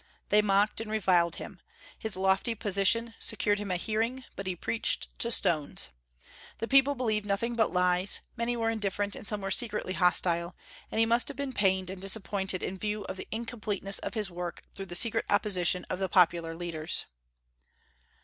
They mocked and reviled him. His lofty position secured him a hearing, but he preached to stones. The people believed nothing but lies; many were indifferent and some were secretly hostile, and he must have been pained and disappointed in view of the incompleteness of his work through the secret opposition of the popular leaders.